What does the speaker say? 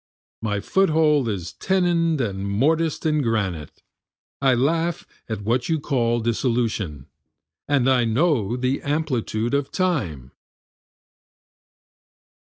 My foothold is tenon'd and mortis'd in granite, I laugh at what you call dissolution, And I know the amplitude of time.